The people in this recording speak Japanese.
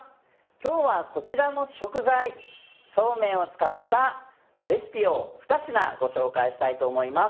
今日はこちらの食材そうめんを使ったレシピを２品ご紹介したいと思います。